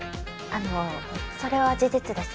あのそれは事実です。